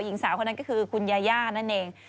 หญิงสาวคนนั้นก็คือคุณยาย่านั่นเอง